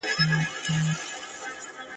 افغاني غازیان له ماتي سره مخامخ سوي ول.